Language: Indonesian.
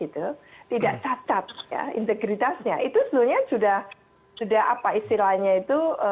tidak cacat integritasnya itu sebenarnya sudah apa istilahnya itu